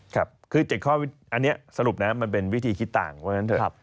ครับคือ๗ข้ออันนี้สรุปนะมันเป็นวิธีคิดต่างว่างั้นเถอะ